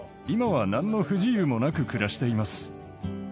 今は何の不自由もなく暮らしています。